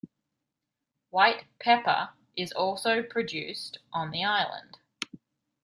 White pepper is also produced on the island.